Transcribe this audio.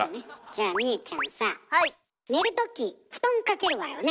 じゃあ望結ちゃんさ寝るとき布団かけるわよね。